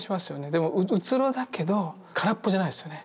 でもうつろだけど空っぽじゃないですよね。